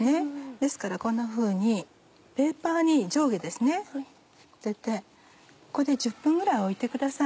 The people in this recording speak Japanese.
ですからこんなふうにペーパーに上下当ててこれで１０分ぐらい置いてください。